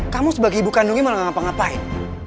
kamu sebagai ibu kandungnya malah ngapa ngapain